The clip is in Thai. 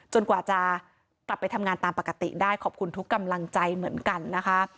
กว่าจะกลับไปทำงานตามปกติได้ขอบคุณทุกกำลังใจเหมือนกันนะคะ